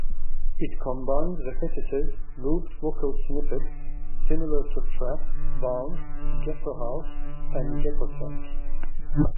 It combines repetitive, looped vocal snippets similar to trap, bounce, ghetto house and ghettotech.